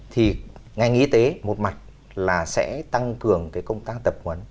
thì ngành y tế một mặt là sẽ tăng cường cái công tác tập huấn